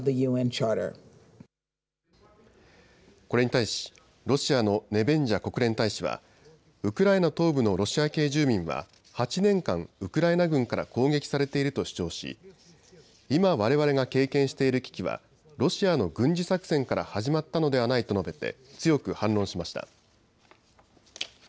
これに対し、ロシアのネベンジャ国連大使はウクライナ東部のロシア系住民は８年間、ウクライナ軍から攻撃されていると主張し今われわれが経験している危機はロシアの軍事作戦から始まったのではないと述べて強く反論しました。